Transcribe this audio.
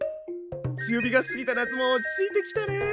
強火が過ぎた夏も落ち着いてきたねえ。